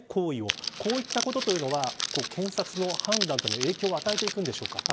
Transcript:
こういったことというのは検察の判断というのは影響を与えていくんでしょうか。